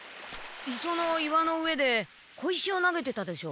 磯の岩の上で小石を投げてたでしょ。